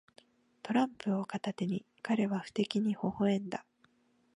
トランプを片手に、彼は不敵にほほ笑んだ。